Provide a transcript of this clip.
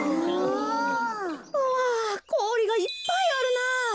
わこおりがいっぱいあるなぁ。